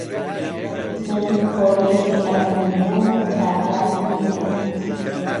من قۆرییەکی ئەلمۆنیۆم و چای عێراقیم پێ بوو